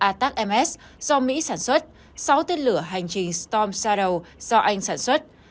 do mỹ sản xuất sáu tên lửa hành trình storm shadow do anh sản xuất